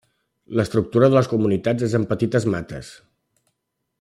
L'estructura de les comunitats és en petites mates.